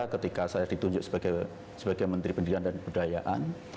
ketika saya ditunjuk sebagai menteri pendidikan dan kebudayaan